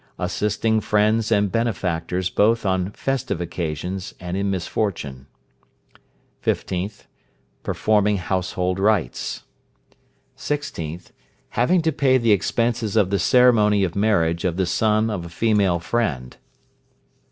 Assisting friends and benefactors both on festive occasions, and in misfortune. 15th. Performing household rites. 16th. Having to pay the expenses of the ceremony of marriage of the son of a female friend.